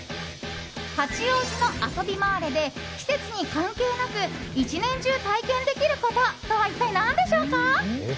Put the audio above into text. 八王子のあそびマーレで季節に関係なく一年中、体験できることとは一体何でしょうか。